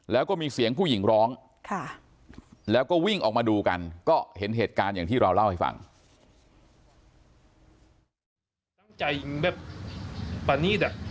แล้วก็มีเสียงผู้หญิงร้องแล้วก็วิ่งออกมาดูกันก็เห็นเหตุการณ์อย่างที่เราเล่าให้ฟัง